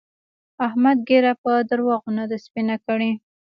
احمد ږيره په درواغو نه ده سپينه کړې.